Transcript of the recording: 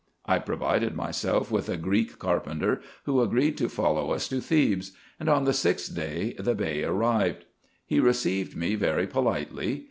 I provided myself with a Greek carpenter, who agreed to follow us to Thebes ; and on the sixth day the Bey arrived. He received me very politely.